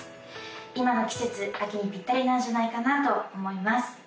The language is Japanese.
今の季節秋にぴったりなんじゃないかなと思います